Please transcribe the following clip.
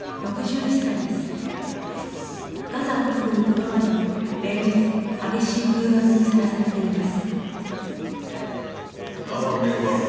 ガザ北部にとどまり連日激しい空爆にさらされています。